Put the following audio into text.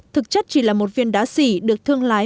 thực chất chỉ là một viên đá xỉ được thương lái